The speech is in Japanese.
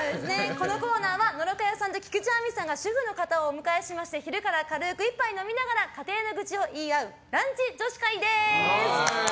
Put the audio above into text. このコーナーは野呂佳代さんと菊地亜美さんが主婦のゲストをお迎えして昼から軽く１杯飲みながら家庭の愚痴を言い合うランチ女子会です。